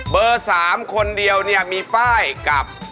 เบอร์๓คนเดียวมีป้ายกับ